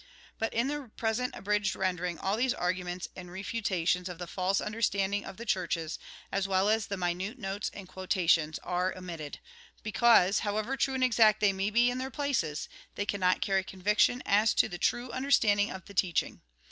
But in the present abridged rendering, all these arguments, and refutations of the false understand ing of the Churches, as well as the minute notes and quotations, are omitted ; because, however true and exact they may be in their places, they cannot carry conviction as to the true understanding of the teaching.